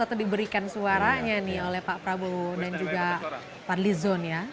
atau diberikan suaranya nih oleh pak prabowo dan juga fadlizon ya